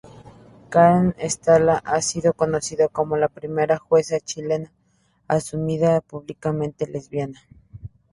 Karen Atala ha sido conocida como la primera jueza chilena asumida públicamente lesbiana.